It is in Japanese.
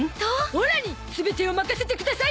オラに全てを任せてください！